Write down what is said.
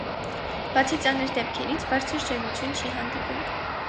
Բացի ծանր դեպքերից, բարձր ջերմություն չի հանդիպում։